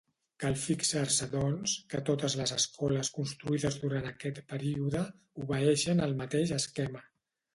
Cal fixar-se doncs que totes les escoles construïdes durant aquest període obeeixen al mateix esquema.